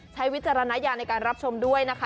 วิจารณญาณในการรับชมด้วยนะคะ